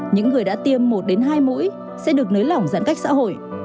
những người đã tiêm một hai mũi sẽ được nới lỏng giãn cách xã hội